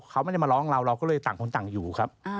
เขาไม่ได้มาร้องเราเราก็เลยต่างคนต่างอยู่ครับ